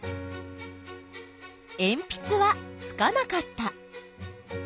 えんぴつはつかなかった。